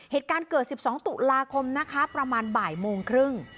เหตุการณ์เกิด๑๒ตุลาคมนะคะประมาณบ่ายโมงครึ่ง